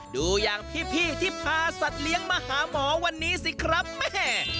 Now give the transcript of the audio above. ดูอย่างพี่ที่พาสัตว์เลี้ยงมาหาหมอวันนี้สิครับแม่